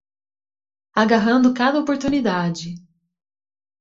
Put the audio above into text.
Agarrando cada oportunidade